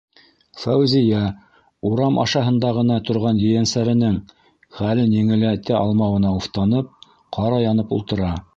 Фәүзиә, урам ашаһында ғына торған ейәнсәренең хәлен еңеләйтә алмауына уфтанып, ҡара янып ултыра.